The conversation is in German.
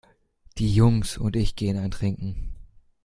Die Jungs und ich gehen einen trinken.